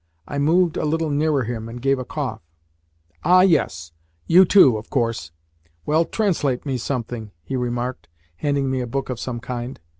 I moved a little nearer him, and gave a cough. "Ah, yes! You too, of course! Well, translate me something," he remarked, handing me a book of some kind.